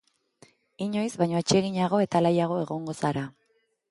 Inoiz baino atseginago eta alaiago egongo zara.